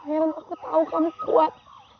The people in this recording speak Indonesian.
heran aku tahu kamu kuat